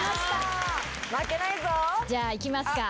じゃあいきますか。